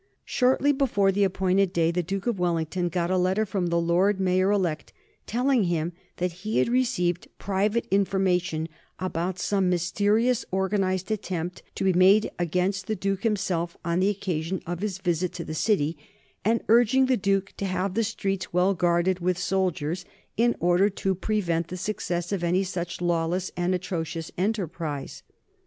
Shortly before the appointed day the Duke of Wellington got a letter from the Lord Mayor elect, telling him that he had received private information about some mysterious organized attempt to be made against the Duke himself on the occasion of his visit to the City, and urging the Duke to have the streets well guarded with soldiers, in order to prevent the success of any such lawless and atrocious enterprise.